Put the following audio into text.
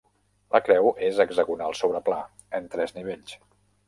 La creu és hexagonal sobre pla, en tres nivells.